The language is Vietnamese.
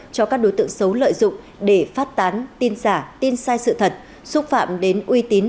cho các đối tượng xấu lợi dụng để phát tán tin giả tin sai sự thật xúc phạm đến uy tín